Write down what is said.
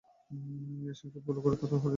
ইয়াশনিকে follow করে তাকে হয়রানি করছেন কেন?